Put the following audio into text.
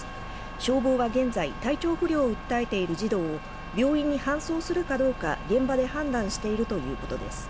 消防は現在体調不良を訴えている児童を病院に搬送するかどうか、現場で判断しているということです。